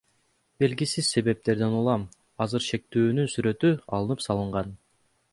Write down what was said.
Белгисиз себептерден улам азыр шектүүнүн сүрөтү алынып салынган.